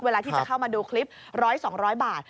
เวลาที่จะเข้ามาดูคลิป๑๐๐๒๐๐บาท